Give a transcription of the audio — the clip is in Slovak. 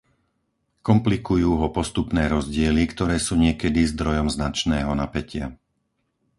Komplikujú ho postupné rozdiely, ktoré sú niekedy zdrojom značného napätia.